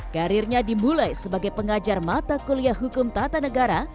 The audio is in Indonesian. karirnya dimulai sebagai pengajar mata kuliah hukum tata negara